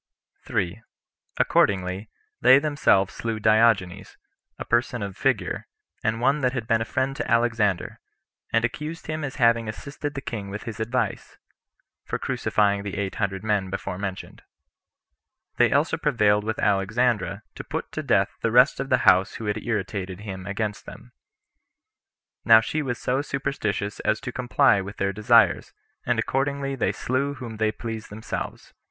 Accordingly, they themselves slew Diogenes, a person of figure, and one that had been a friend to Alexander; and accused him as having assisted the king with his advice, for crucifying the eight hundred men [before mentioned.] They also prevailed with Alexandra to put to death the rest of those who had irritated him against them. Now she was so superstitious as to comply with their desires, and accordingly they slew whom they pleased themselves.